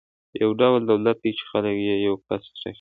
یو ډول دولت دی چې خلک یې یو کس ټاکي.